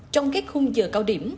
trong các khung giờ cao điểm